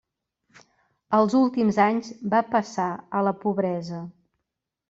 Els últims anys va passar a la pobresa.